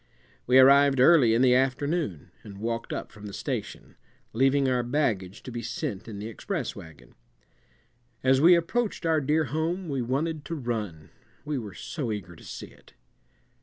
We arrived early in the afternoon and walked up from the station, leaving our baggage to be sent in the express wagon. As we approached our dear home we wanted to run, we were so eager to see it.